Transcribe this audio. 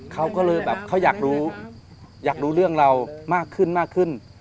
เขาก็เลยแบบเขาอยากรู้อยากรู้เรื่องเรามากขึ้นมากขึ้น